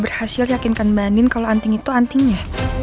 berhasil yakinkan mbak andin kalau anting itu antingnya